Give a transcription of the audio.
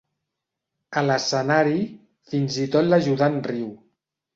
A l'escenari, fins i tot l'ajudant riu.